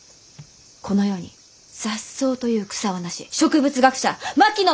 この世に雑草という草はなし植物学者槙野